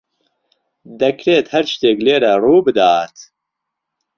دەکرێت هەر شتێک لێرە ڕووبدات.